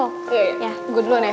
iya gue duluan ya